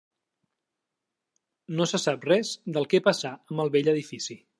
No se sap res del que passà amb el vell edifici.